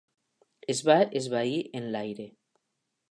Es va esvair en l'aire.